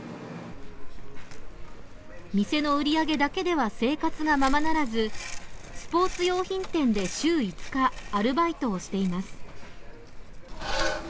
店の売り上げだけでは生活がままならずスポーツ用品店で週５日アルバイトをしています。